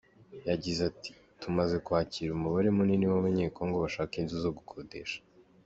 Yagize ati “Tumaze kwakira umubare munini w’Abanye-Congo bashaka inzu zo gukodesha.”